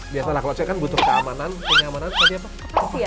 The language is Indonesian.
biasanya kalau cek kan butuh keamanan keamanan tadi apa kepansi ya